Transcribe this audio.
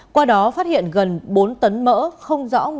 qua đó phát hiện gần bốn tấn mỡ